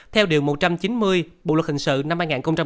theo điều một trăm chín mươi bộ luật hình sự năm hai nghìn một mươi năm